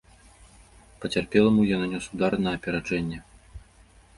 Пацярпеламу я нанёс удар на апераджэнне.